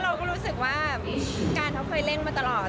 เราก็รู้สึกว่าการเขาเคยเล่นมาตลอด